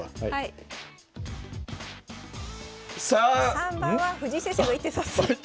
３！３番は藤井先生が１手指す。